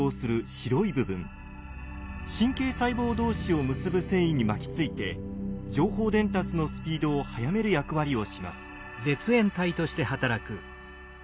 神経細胞同士を結ぶ線維に巻きついて情報伝達のスピードを速める役割をします。